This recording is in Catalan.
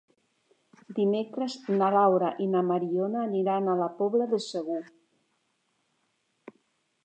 Dimecres na Laura i na Mariona aniran a la Pobla de Segur.